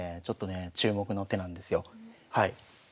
ちょっとね注目の手なんですよ。